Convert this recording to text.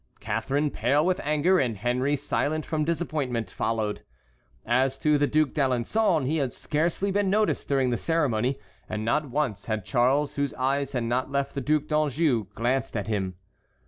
Catharine, pale with anger, and Henry, silent from disappointment, followed. As to the Duc d'Alençon, he had scarcely been noticed during the ceremony, and not once had Charles, whose eyes had not left the Duc d'Anjou, glanced at him.